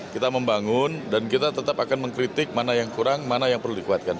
kita membangun dan kita tetap akan mengkritik mana yang kurang mana yang perlu dikuatkan